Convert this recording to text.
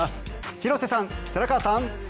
広瀬さん、寺川さん。